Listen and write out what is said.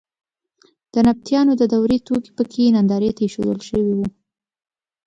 د نبطیانو د دورې توکي په کې نندارې ته اېښودل شوي وو.